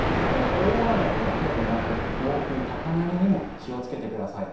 大雨だけでなく暴風、高波にも気をつけてください。